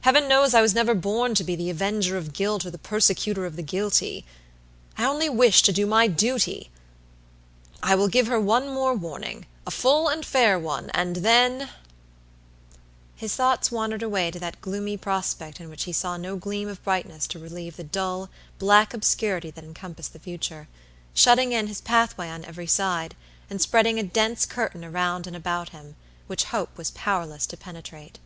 Heaven knows I was never born to be the avenger of guilt or the persecutor of the guilty. I only wish to do my duty. I will give her one more warning, a full and fair one, and then" His thoughts wandered away to that gloomy prospect in which he saw no gleam of brightness to relieve the dull, black obscurity that encompassed the future, shutting in his pathway on every side, and spreading a dense curtain around and about him, which Hope was powerless to penetrate.